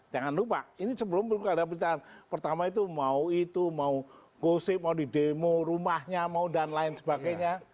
jangan lupa ini sebelum pilkada pertama itu mau itu mau gosip mau di demo rumahnya mau dan lain sebagainya